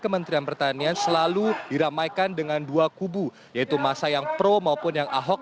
kementerian pertanian selalu diramaikan dengan dua kubu yaitu masa yang pro maupun yang ahok